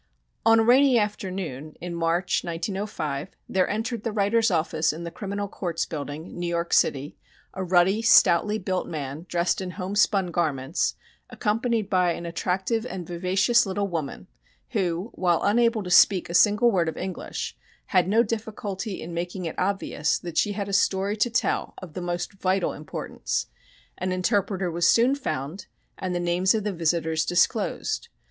On a rainy afternoon in March, 1905, there entered the writer's office in the Criminal Courts Building, New York City, a ruddy, stoutly built man, dressed in homespun garments, accompanied by an attractive and vivacious little woman, who, while unable to speak a single word of English, had no difficulty in making it obvious that she had a story to tell of the most vital importance. An interpreter was soon found and the names of the visitors disclosed.